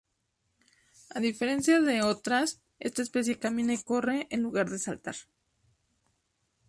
A diferencia de otras, esta especie camina y corre en lugar de saltar.